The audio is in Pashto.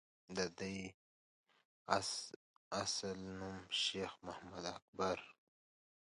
دَدوي اصل نوم شېخ محمد اکبر